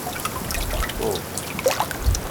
Qqu.